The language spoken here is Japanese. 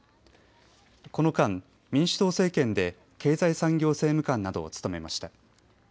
この間、民主党政権で経済産業政務官などを務めました。